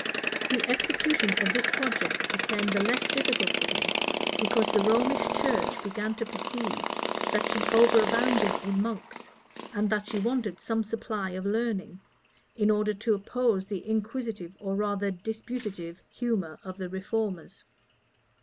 The execution of this project became the less difficult for him, because the Romish church began to perceive, that she overabounded in monks, and that she wanted some supply of learning, in order to oppose the inquisitive, or rather disputative humor of the reformers.